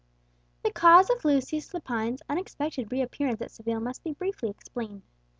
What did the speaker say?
The cause of Lucius Lepine's unexpected reappearance at Seville must be briefly explained.